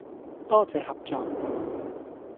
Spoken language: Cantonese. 多謝合作